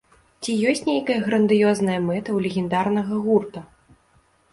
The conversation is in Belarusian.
Ці ёсць нейкая грандыёзная мэта ў легендарнага гурта?